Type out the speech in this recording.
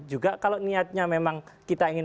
juga kalau niatnya memang kita ingin